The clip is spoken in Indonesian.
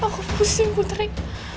aku pusing kutering